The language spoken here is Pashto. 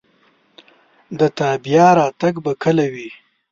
د تا بیا راتګ به کله وي